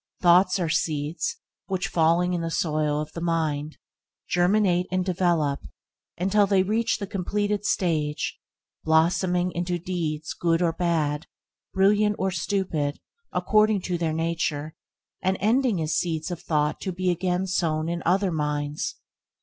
Thoughts are seeds which, falling in the soil of the mind, germinate and develop until they reach the completed stage, blossoming into deeds good or bad, brilliant or stupid, according to their nature, and ending as seeds of thought to be again sown in other minds.